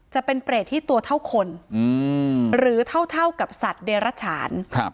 จะเป็นเปรตที่ตัวเท่าคนอืมหรือเท่าเท่ากับสัตว์เดรัชานครับ